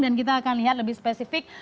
dan kita akan lihat lebih spesifik